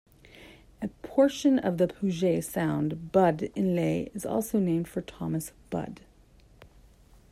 A portion of the Puget Sound, Budd Inlet, is also named for Thomas Budd.